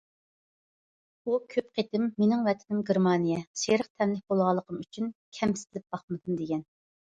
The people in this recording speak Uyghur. ئۇ كۆپ قېتىم:‹‹ مېنىڭ ۋەتىنىم گېرمانىيە››، سېرىق تەنلىك بولغانلىقىم ئۈچۈن كەمسىتىلىپ باقمىدىم، دېگەن.